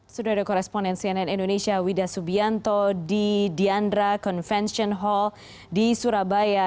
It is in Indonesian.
sudah ada koresponen cnn indonesia wida subianto di diandra convention hall di surabaya